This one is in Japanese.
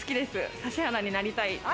指原になりたい。